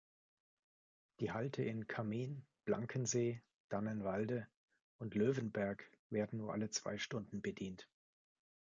Die Halte in Cammin, Blankensee, Dannenwalde und Löwenberg werden nur alle zwei Stunden bedient.